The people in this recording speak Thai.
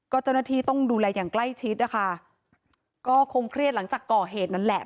ก็เจ้าหน้าที่ต้องดูแลอย่างใกล้ชิดนะคะก็คงเครียดหลังจากก่อเหตุนั่นแหละ